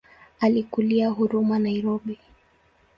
Alikulia Huruma Nairobi.